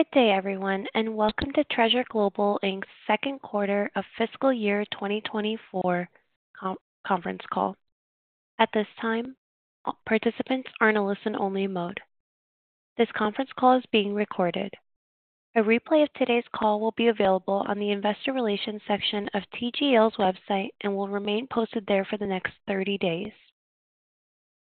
Good day, everyone, and welcome to Treasure Global Inc.'s second quarter of fiscal year 2024 conference call. At this time, all participants are in a listen-only mode. This conference call is being recorded. A replay of today's call will be available on the Investor Relations section of TGL's website and will remain posted there for the next 30 days.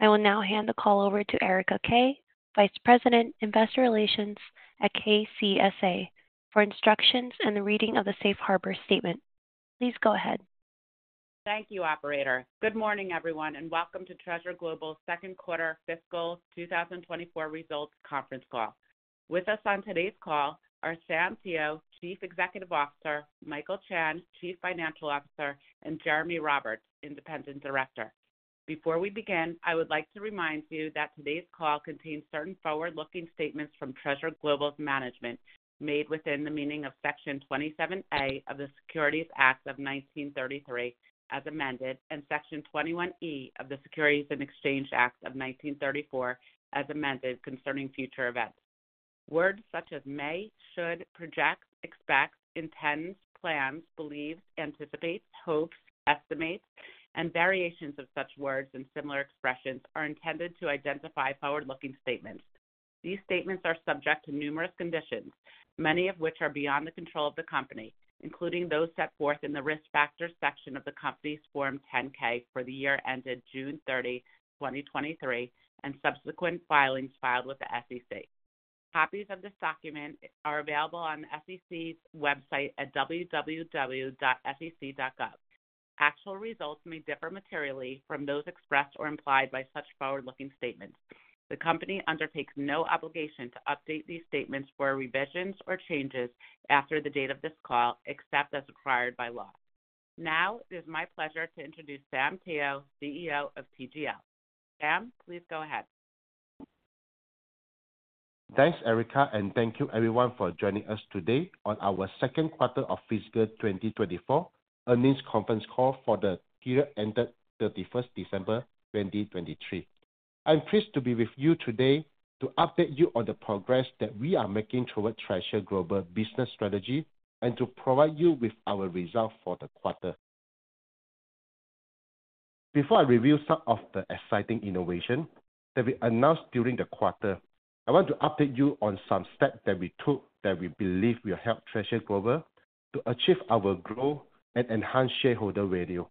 I will now hand the call over to Erika Kay, Vice President, Investor Relations at KCSA, for instructions and the reading of the safe harbor statement. Please go ahead. Thank you, operator. Good morning, everyone, and welcome to Treasure Global's second quarter fiscal 2024 results conference call. With us on today's call are Sam Teo, Chief Executive Officer, Michael Chan, Chief Financial Officer, and Jeremy Roberts, Independent Director. Before we begin, I would like to remind you that today's call contains certain forward-looking statements from Treasure Global's management made within the meaning of Section 27A of the Securities Act of 1933, as amended, and Section 21E of the Securities and Exchange Act of 1934, as amended, concerning future events. Words such as may, should, project, expect, intends, plans, believes, anticipates, hopes, estimates, and variations of such words and similar expressions are intended to identify forward-looking statements. These statements are subject to numerous conditions, many of which are beyond the control of the company, including those set forth in the Risk Factors section of the company's Form 10-K for the year ended June 30, 2023, and subsequent filings filed with the SEC. Copies of this document are available on the SEC's website at www.sec.gov. Actual results may differ materially from those expressed or implied by such forward-looking statements. The Company undertakes no obligation to update these statements for revisions or changes after the date of this call, except as required by law. Now, it is my pleasure to introduce Sam Teo, CEO of TGL. Sam, please go ahead. Thanks, Erika, and thank you everyone for joining us today on our second quarter of fiscal 2024 earnings conference call for the period ended December 31, 2023. I'm pleased to be with you today to update you on the progress that we are making towards Treasure Global business strategy and to provide you with our results for the quarter. Before I review some of the exciting innovation that we announced during the quarter, I want to update you on some steps that we took that we believe will help Treasure Global to achieve our growth and enhance shareholder value.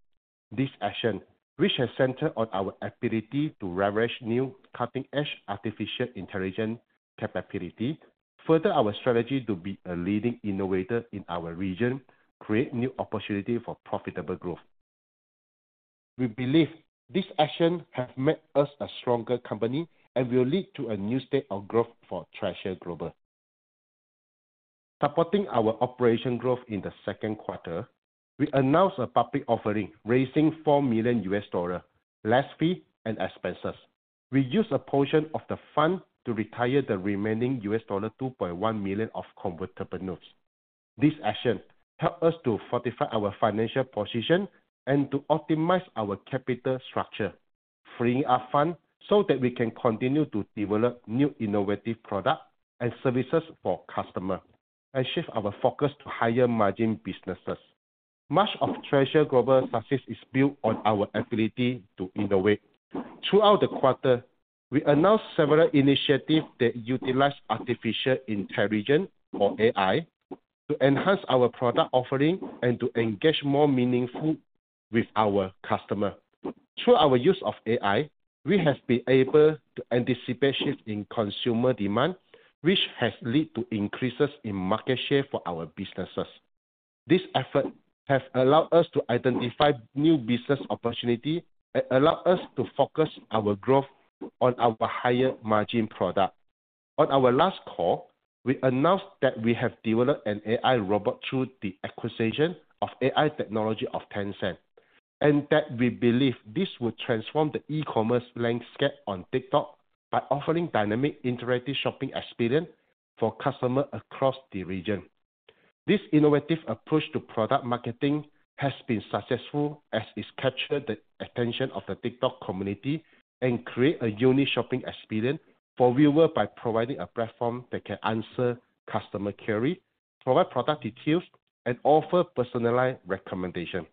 This action, which has centered on our ability to leverage new cutting-edge artificial intelligence capability, further our strategy to be a leading innovator in our region, create new opportunities for profitable growth. We believe these actions have made us a stronger company and will lead to a new state of growth for Treasure Global. Supporting our operation growth in the second quarter, we announced a public offering, raising $4 million, less fee and expenses. We used a portion of the fund to retire the remaining $2.1 million of convertible notes. This action helped us to fortify our financial position and to optimize our capital structure, freeing up funds so that we can continue to develop new innovative products and services for customers and shift our focus to higher margin businesses. Much of Treasure Global's success is built on our ability to innovate. Throughout the quarter, we announced several initiatives that utilize artificial intelligence, or AI, to enhance our product offering and to engage more meaningful with our customer. Through our use of AI, we have been able to anticipate shifts in consumer demand, which has led to increases in market share for our businesses. This effort has allowed us to identify new business opportunities and allowed us to focus our growth on our higher margin product. On our last call, we announced that we have developed an AI robot through the acquisition of AI technology of Tencent, and that we believe this would transform the e-commerce landscape on TikTok by offering dynamic, interactive shopping experience for customers across the region. This innovative approach to product marketing has been successful, as it's captured the attention of the TikTok community and create a unique shopping experience for viewers by providing a platform that can answer customer query, provide product details, and offer personalized recommendation.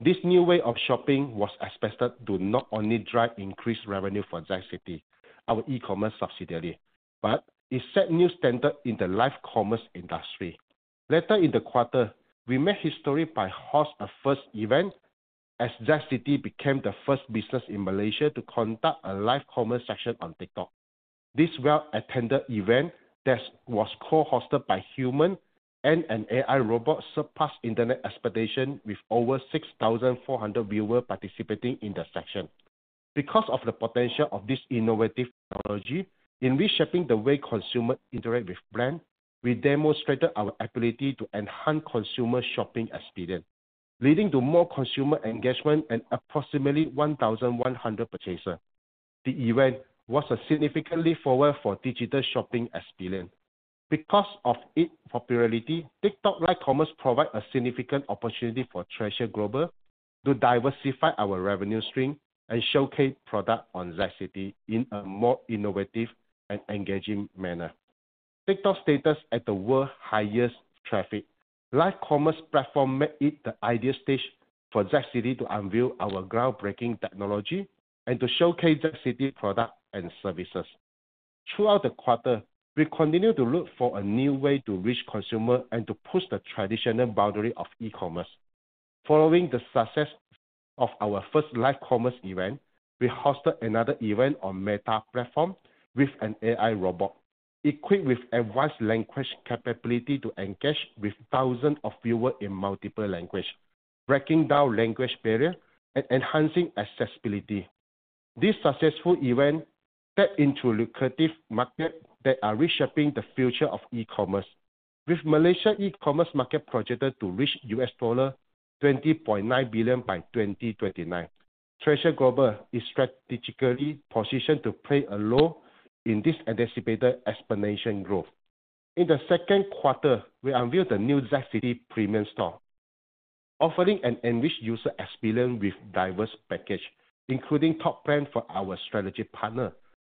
This new way of shopping was expected to not only drive increased revenue for ZCITY, our e-commerce subsidiary, but it set new standards in the live commerce industry. Later in the quarter, we made history by hosting a first event as ZCITY became the first business in Malaysia to conduct a live commerce session on TikTok. This well-attended event that was co-hosted by a human and an AI robot surpassed initial expectation with over 6,400 viewers participating in the session. Because of the potential of this innovative technology in reshaping the way consumers interact with brands, we demonstrated our ability to enhance consumer shopping experience, leading to more consumer engagement and approximately 1,100 purchasers. The event was a significant leap forward for digital shopping experience. Because of its popularity, TikTok Live Commerce provides a significant opportunity for Treasure Global-... to diversify our revenue stream and showcase product on ZCITY in a more innovative and engaging manner. TikTok status at the world's highest traffic. Live commerce platform make it the ideal stage for ZCITY to unveil our groundbreaking technology and to showcase ZCITY product and services. Throughout the quarter, we continue to look for a new way to reach consumer and to push the traditional boundary of e-commerce. Following the success of our first live commerce event, we hosted another event on Meta platform with an AI robot, equipped with advanced language capability to engage with thousands of viewers in multiple language, breaking down language barrier and enhancing accessibility. This successful event tap into lucrative market that are reshaping the future of e-commerce. With the Malaysia e-commerce market projected to reach $20.9 billion by 2029, Treasure Global is strategically positioned to play a role in this anticipated exponential growth. In the second quarter, we unveiled the new ZCITY Premium Store, offering an enriched user experience with diverse packages, including top brands for our strategic partners,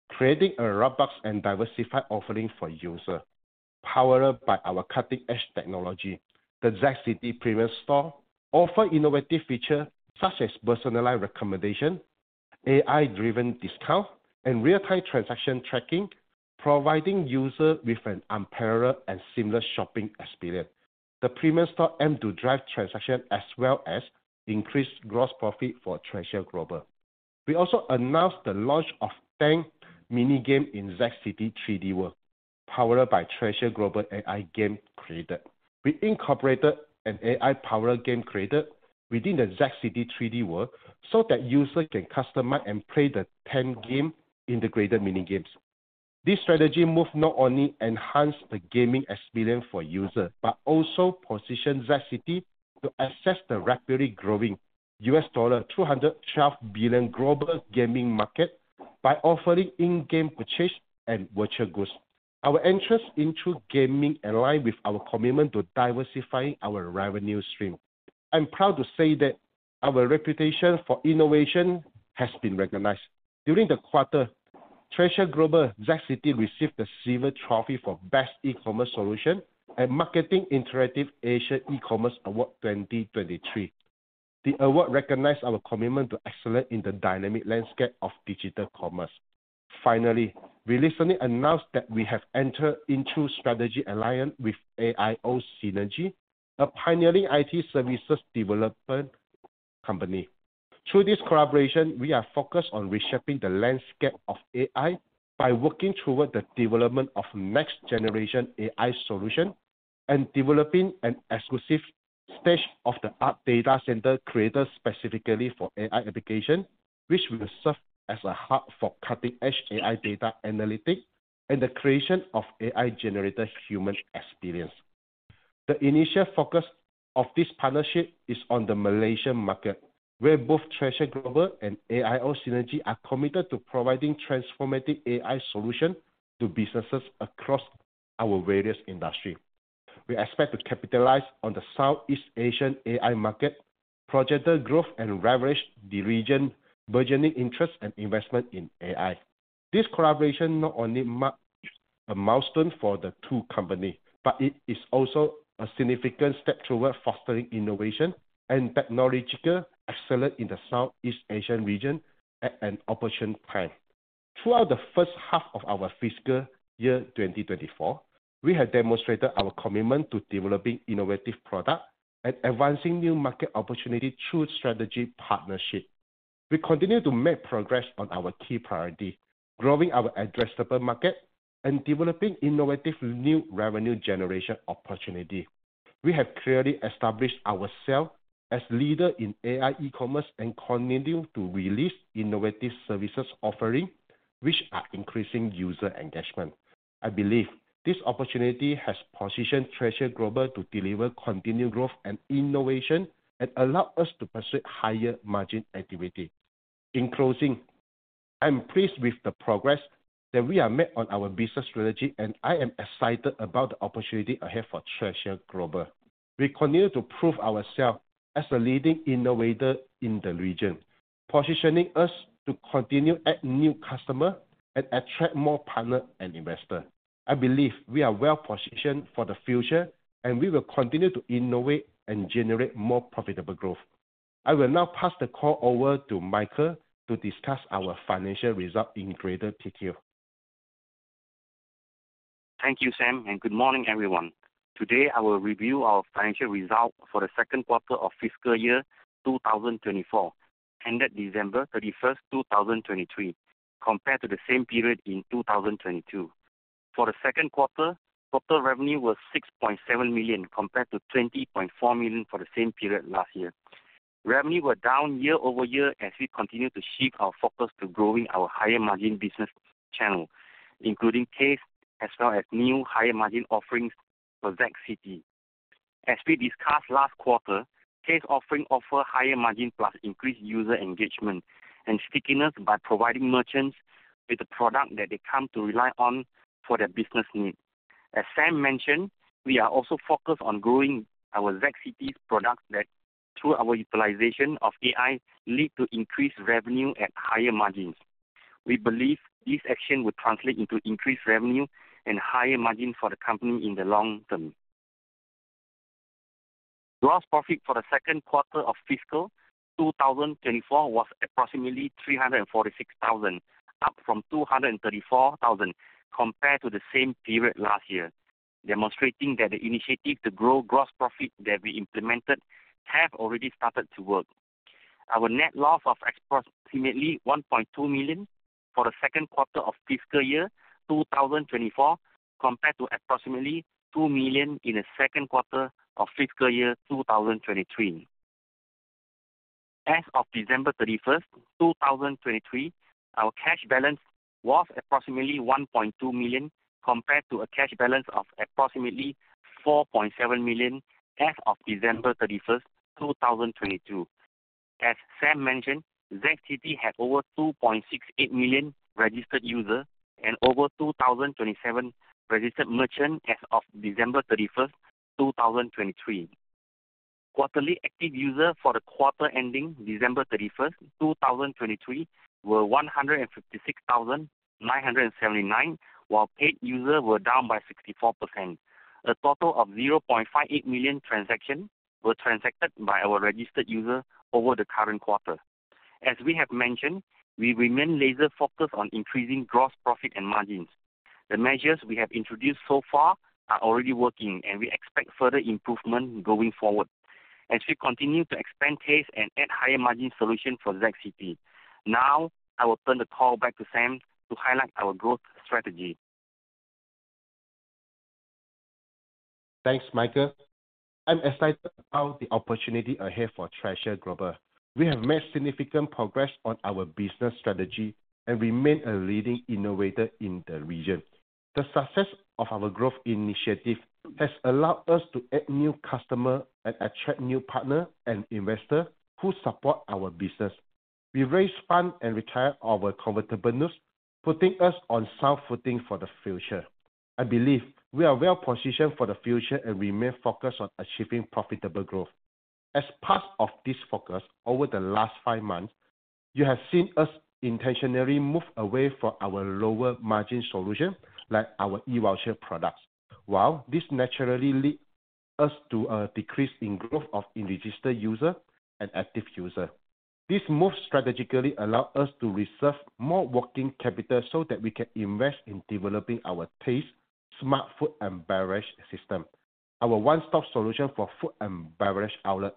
creating a robust and diversified offering for users. Powered by our cutting-edge technology, the ZCITY Premium Store offers innovative features such as personalized recommendations, AI-driven discounts, and real-time transaction tracking, providing users with an unparalleled and seamless shopping experience. The Premium Store aims to drive transactions as well as increase gross profit for Treasure Global. We also announced the launch of 10 mini games in ZCITY 3D World, powered by Treasure Global AI Game Creator. We incorporated an AI-powered game creator within the ZCITY 3D World, so that user can customize and play the 10 games in the Creator mini games. This strategic move not only enhance the gaming experience for user, but also position ZCITY to access the rapidly growing $212 billion global gaming market by offering in-game purchase and virtual goods. Our entrance into gaming align with our commitment to diversifying our revenue stream. I'm proud to say that our reputation for innovation has been recognized. During the quarter, Treasure Global ZCITY received a silver trophy for Best E-commerce Solution at Marketing Interactive Asia eCommerce Awards 2023. The award recognize our commitment to excellence in the dynamic landscape of digital commerce. Finally, we recently announced that we have entered into strategic alliance with AIO Synergy, a pioneering IT services development company. Through this collaboration, we are focused on reshaping the landscape of AI by working toward the development of next generation AI solution, and developing an exclusive state-of-the-art data center created specifically for AI application, which will serve as a hub for cutting-edge AI data analytics and the creation of AI-generated human experience. The initial focus of this partnership is on the Malaysian market, where both Treasure Global and AIO Synergy are committed to providing transformative AI solution to businesses across our various industry. We expect to capitalize on the Southeast Asian AI market, projected growth, and leverage the region's burgeoning interest and investment in AI. This collaboration not only marks a milestone for the two company, but it is also a significant step toward fostering innovation and technological excellence in the Southeast Asian region at an opportune time. Throughout the first half of our fiscal year 2024, we have demonstrated our commitment to developing innovative products and advancing new market opportunities through strategic partnerships. We continue to make progress on our key priority, growing our addressable market, and developing innovative new revenue generation opportunities. We have clearly established ourselves as a leader in AI e-commerce, and continue to release innovative service offerings, which are increasing user engagement. I believe this opportunity has positioned Treasure Global to deliver continued growth and innovation, and allow us to pursue higher-margin activities. In closing, I am pleased with the progress that we have made on our business strategy, and I am excited about the opportunity ahead for Treasure Global. We continue to prove ourselves as a leading innovator in the region, positioning us to continue to add new customers and attract more partners and investors. I believe we are well-positioned for the future, and we will continue to innovate and generate more profitable growth. I will now pass the call over to Michael to discuss our financial results in greater detail. Thank you, Sam, and good morning, everyone. Today, I will review our financial results for the second quarter of fiscal year 2024, ended December 31, 2023, compared to the same period in 2022. For the second quarter, total revenue was $6.7 million, compared to $20.4 million for the same period last year. Revenue were down year-over-year as we continued to shift our focus to growing our higher margin business channel, including ZCITY, as well as new higher-margin offerings for ZCITY. As we discussed last quarter, ZCITY offering offers higher margin, plus increased user engagement and stickiness by providing merchants with a product that they come to rely on for their business needs. As Sam mentioned, we are also focused on growing our ZCITY product that, through our utilization of AI, lead to increased revenue at higher margins. We believe this action will translate into increased revenue and higher margin for the company in the long term. Gross profit for the second quarter of fiscal 2024 was approximately $346,000, up from $234,000 compared to the same period last year, demonstrating that the initiative to grow gross profit that we implemented have already started to work. Our net loss of approximately $1.2 million for the second quarter of fiscal year 2024, compared to approximately $2 million in the second quarter of fiscal year 2023. As of December 31, 2023, our cash balance was approximately $1.2 million, compared to a cash balance of approximately $4.7 million as of December 31, 2022. As Sam mentioned, ZCITY had over 2.68 million registered users and over 2,027 registered merchants as of December 31, 2023. Quarterly active users for the quarter ending December 31, 2023, were 156,979, while paid users were down by 64%. A total of $0.58 million transactions were transacted by our registered users over the current quarter. As we have mentioned, we remain laser-focused on increasing gross profit and margins. The measures we have introduced so far are already working, and we expect further improvement going forward as we continue to expand TAZTE and add higher-margin solutions for ZCITY. Now, I will turn the call back to Sam to highlight our growth strategy. Thanks, Michael. I'm excited about the opportunity ahead for Treasure Global. We have made significant progress on our business strategy and remain a leading innovator in the region. The success of our growth initiative has allowed us to add new customer and attract new partner and investor who support our business. We raise funds and retire our convertible notes, putting us on sound footing for the future. I believe we are well positioned for the future and remain focused on achieving profitable growth. As part of this focus, over the last five months, you have seen us intentionally move away from our lower-margin solution, like our E-voucher products. While this naturally lead us to a decrease in growth of unregistered user and active user, this move strategically allow us to reserve more working capital so that we can invest in developing our TAZTE, smart food and beverage system, our one-stop solution for food and beverage outlet,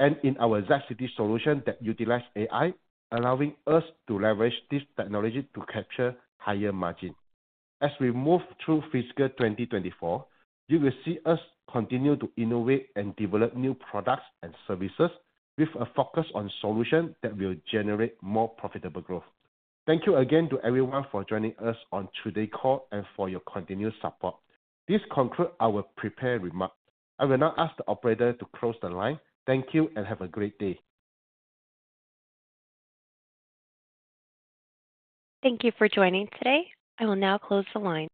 and in our ZCITY solution that utilize AI, allowing us to leverage this technology to capture higher margin. As we move through fiscal 2024, you will see us continue to innovate and develop new products and services with a focus on solutions that will generate more profitable growth. Thank you again to everyone for joining us on today's call and for your continued support. This concludes our prepared remarks. I will now ask the operator to close the line. Thank you and have a great day. Thank you for joining today. I will now close the line.